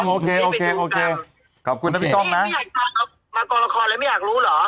โอเคโอเคโอเคขอบคุณนะพี่ก้อทำนะมาก่อนละครแล้วไม่อยากรู้เหรอ